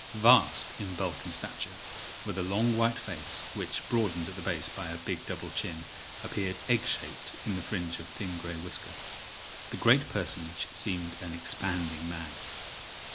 Vast in bulk and stature, with a long white face, which, broadened at the base by a big double chin, appeared egg shaped in the fringe of thin greyish whisker, the great personage seemed an expanding man.